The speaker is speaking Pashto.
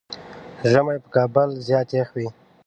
ژمی په کابل کې زيات يخ وي.